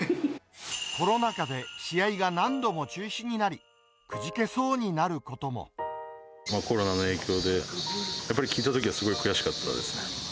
コロナ禍で、試合が何度も中止になり、コロナの影響で、やっぱり聞いたときは、すごい悔しかったですね。